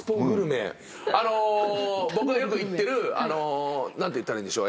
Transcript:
あの僕がよく行ってる何て言ったらいいんでしょう